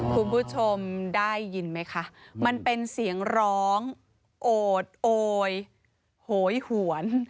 คุณผู้ชมได้ยินไหมคะมันเป็นเสียงร้องโอดโอยโหยหวน